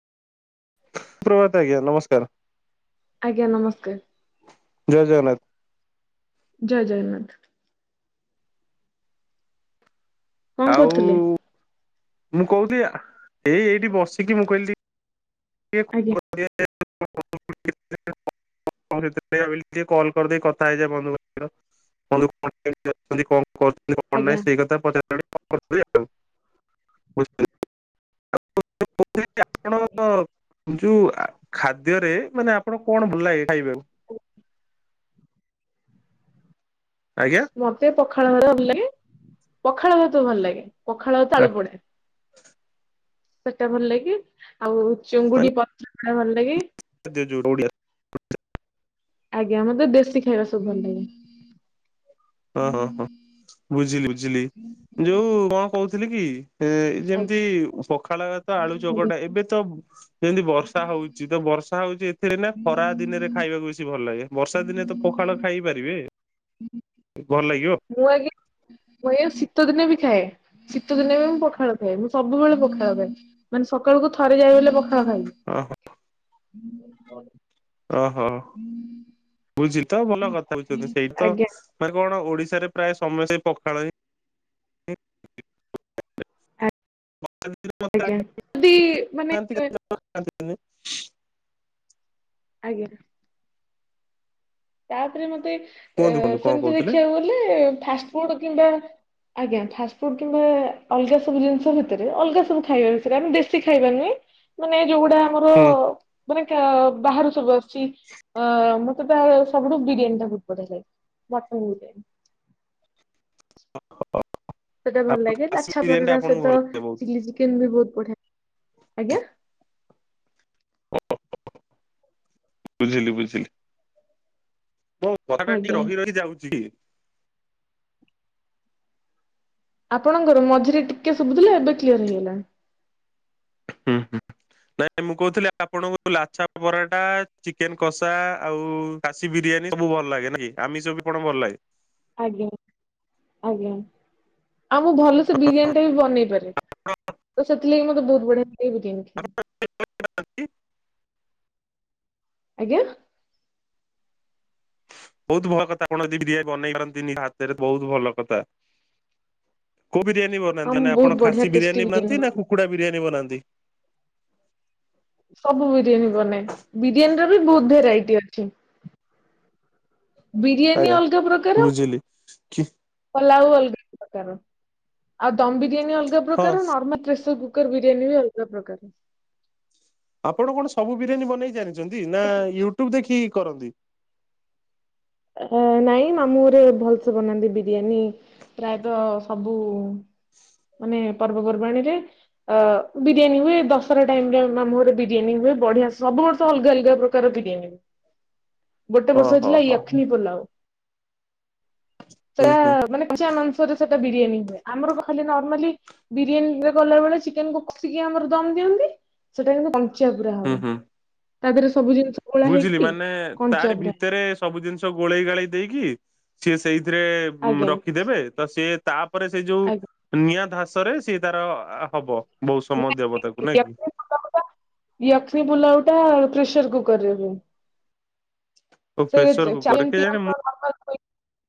ସୁପ୍ରଭାତ ଆଜ୍ଞା ନମସ୍କାର। ଆଜ୍ଞା ନମସ୍କାର। ଜୟ ଜଗନ୍ନାଥ। ଜୟ ଜଗନ୍ନାଥ। କଣ ଆଉ କରୁଥିଲେ? ମୁଁ କହୁଥିଲ ଏଇ ଏଇଠି ବସିକି ମୁଁ କହିଲି ଆଜ୍ଞା [unintelligible] [unintelligible] ସେୟା କହିଲି ଟିକ କଲ କରିଦେଇ କଥା ହେଇଯାଏ ବନ୍ଧୁଙ୍କ ସହିତ। ବନ୍ଧୁ ଆଜ୍ଞା [unintelligible] କଣ। [inaudible] ଆଜ୍ଞା। ଯୋଉ ଆ ଖାଦ୍ୟରେ ମାନେ ଆପଣ କଣ ଭଲ ଲାଗେ ଖାଇବାକୁ? ଆଜ୍ଞା? ମତେ ପଖାଳ ଭାତ ଭଲ ଲାଗେ ପଖାଳଭାତ ଭଲ ଲାଗେ ପଖାଳଭାତ ଆଳୁପୋଡା? ସେଟା ଭଲ ଲାଗେ ଆଉ ଚୁଙ୍ଗୁଡି ପତ୍ର ପୋଡା ଭଲ ଲାଗେ? ସେଥିରେ ଯୋଉ ଓଡିଆ। ଆଜ୍ଞା ମତେ ଦେଶୀ ଖାଇବା ସବୁ ଭଲ ଲାଗେ। ହଁ ହଁ ହଁ ବୁଝିଲି ବୁଝିଲି ଯୋଉ କଣ କହୁଥିଲି କି ହେଁ ଯେମିତି ପଖାଳ ଭାତ ଆଳୁ ଆଜ୍ଞା ଚକଟା ଏବେ ତ ଯେମିତି ବର୍ଷା ହଉଛି ତ ବର୍ଷା ହଉଛି ଏଥିରେ ନା ଖରା ଦିନରେ ଖାଇବାକୁ ବେଶୀ ଭଲ ଲାଗେ ବର୍ଷା ଦିନେ ତ ପଖାଳ ଖାଇ ପାରିବେ? ଭଲ ଲାଗିବ? ମୁଁ ଆଜ୍ଞା ମୁଁ ଆଜ୍ଞା ଶୀତ ଦିନେ ବି ଖାଏ। ଶୀତ ଦିନେ ବି ମୁଁ ପଖାଳ ଖାଏ ମୁଁ ସବୁବେଳେ ପଖାଳ ଖାଏ ମାନେ ସକାଳକୁ ଥରେ ଯାହା ହେଲେବି ପଖାଳ ଖାଇବି। ଅ ହ। ଉଁ। [unintelligible] ଓହୋ ବୁଝିଲି ତ ଭଲ କଥା ହଉଛନ୍ତି ସେଇତ ଆଜ୍ଞା ମାନେ କଣ ଓଡିଶାରେ ପ୍ରାୟ ସମସ୍ତେ ସେ ପଖାଳ ହିଁ ହିଁ [unintelligible] ଆଜ୍ଞା ଯଦି ମାନେ ଏ [unintelligible] ଆଜ୍ଞା। ତାପରେ ମତେ ଏ କୁହନ୍ତୁ କୁହନ୍ତୁ କଣ ସେମିତି କହୁଥିଲେ? ଦେଖିବାକୁ ଗଲେ ଫାଷ୍ଟଫୁଡ କିମ୍ବା ଆଜ୍ଞା ଫାଷ୍ଟଫୁଡ କିମ୍ବା ଅଲଗା ସବୁ ଜିନିଷ ଭିତରେ ଅଲଗା ସବୁ ଖାଇବା ଭିତରେ ଆମେ ଦେଶୀ ଖାଇବା ନୁହେଁ ମାନେ ଯୋଉ ଗୁଡା ଆମର ହୁଁ ମାନେ କା ବାହାରୁ ସବୁ ଆସୁଛି ଅ ମତେ ତା ସବୁଠୁ ବିରିୟାନୀ ଟା ବହୁତ ବଢିଆ ଲାଗେ ମଟନ୍ ବିରିୟାନୀ। ସେଟା ଭଲ ଆପଣ ଲାଗେ ଖାସି ଲାଛା ବିରିୟାନୀ ଟା ପରଟା ଆପଣଙ୍କୁ ସହିତ ଭଲ ଲାଗେ ବହୁତ ଚିଲି ଚିକେନ ବି ବହୁତ ବଢିଆ ଆଜ୍ଞା? [unintelligible] ବୁଝିଲି ବୁଝିଲି। ମୋ କଥା ଟା ଟିକେ ଆଜ୍ଞା ରହି ରହି ଯାଉଛି। ଆପଣଙ୍କର ମଝିରେ ଟିକେ ଶୁଭୁଥିଲା ଏବେ କ୍ଲିୟର ହେଇଗଲାଣି। ହୁଁ। [inaudible] ନାଇଁ ମୁଁ କହୁଥିଲି ଆପଣଙ୍କୁ ଲାଛା ପରାଟା ଚିକେନ କସା ଆଉ ଖାସି ବିରିୟାନୀ ସବୁ ଭଲ ଲାଗେ ନାହିଁକି ଆମିଷ ବି ପଣଙ୍କୁ ଭଲ ଲାଗେ। ଆଜ୍ଞା ଆଜ୍ଞା। ଆଉ ମୁଁ ଭଲ ସେ ବିରିୟାନୀ ଟା ବି ବନେଇ ପାରେ ତ ସେଥିଲାଗି ମତେ ବହୁତ ବଢିଆ ଲାଗେ ବିରିୟାନୀ ଖାଇ। [unintelligible] ଆଜ୍ଞା? ବହୁତ ଭଲ କଥା ଆପଣ ଯଦି ବିରିୟାନୀ ବନେଇ ପାରନ୍ତିନି ହାତରେ ବହୁତ ଭଲ କଥା। କୋଉ ବିରିୟାନୀ ହଁ ବନାନ୍ତି ମୁଁ ମାନେ ବହୁତ ଆପଣ ବଢିଆ ଖାସି ଟେଷ୍ଟି ବିରିୟାନୀ ବନାନ୍ତି ନା ବନାଏ। କୁକୁଡା ବିରିୟାନୀ ବନାନ୍ତି? ସବୁ ବିରିୟାନୀ ବନାଏ ବିରିୟାନୀ ର ବି ବହୁତ ଭେରାଇଟି ଅଛି। ବିରିୟାନୀ ଆଜ୍ଞା ଅଲଗା ପ୍ରକାର ବୁଝିଲି କି ପଲାଉ ଅଲଗା ପ୍ରକାର ଆଉ ଦମ ବିରିୟାନୀ ଅଲଗା ହଁ। ପ୍ରକାର ନର୍ମାଲ ପ୍ରେସରକୁ କୁକର ବିରିୟାନୀ ବି ଅଲଗା ପ୍ରକାର। ଆପଣ କଣ ସବୁ ବିରିୟାନୀ ବନେଇ ଜାଣିଛନ୍ତି ନା ୟୁଟୁବ ଦେଖି କରନ୍ତି। ଅଃହ ନାଇଁ ମାମୁଁ ଗୋରେ ଭଲସେ ବନାନ୍ତି ବିରିୟାନୀ। ପ୍ରାୟତଃ ସବୁ ମାନେ ପର୍ବପର୍ବାଣୀରେ ଅ ବିରିୟାନୀ ହୁଏ ଦଶରା ଟାଇମରେ ମାମୁଁ ଘରେ ବିରିୟାନୀ ହୁଏ ବଢିଆ ସବୁ ବର୍ଷ ଅଲଗା ଅଲଗା ପ୍ରକାର ବିରିୟାନୀ ଗୋଟେ ବର୍ଷ ଓହୋ ହେଇଥିଲା ହୋ ହୁଁ ୟଖ୍ନି ପୋଲାଓ। ହୁଁ ସେଟା ମାନେ କଞ୍ଚା ମାଂସ୍ ହରେ ସେଟା ବିରିୟାନୀ ହୁଏ ଆମର ପା ଖାଲି ନର୍ମାଲି ବିରିୟାନୀରେ କଲା ବେଳେ ଚିକେନକୁ କଷିକି ଆମର ଦମ୍ ଦିଅନ୍ତି ସେଟା କିନ୍ତୁ କନ୍ ଚା ପୁରା ହୁଁ ହବ ହୁଁ। ତାଧେରେ ସବୁ ଜିନିଷ ଗୋଳା ବୁଝିଲି ହେଇକି ମାନେ କଞ୍ଚା ତାରି ଭି ପୁରା ତେରେ ସବୁ ଜିନିଷ ଗୋଳେଇ ଗାଳେଇ ଦେଇକି ସିଏ ସେଇଥିରେ ଉଁ ଆଜ୍ଞା ରଖିଦେବେ ତ ସିଏ ତାପରେ ସେଇ ଯୋଉ ଆଜ୍ଞା ନିଆଁ ଧାସରେ ସିଏ ତାର ଆ ହବ ବୋହୁତ ସମୟ ଦିଆ ହବ ତାକୁ ନାଇଁ କି। ୟଖ୍ନି ପୁଲାଉଟା ପ୍ରେସର କୁକରରେ ହୁଏ। ଓ ସେଇ ପ୍ରେସର କୁକର [unintelligible] କେଜାଣି